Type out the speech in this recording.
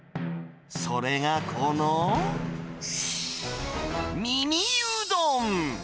それがこの耳うどん。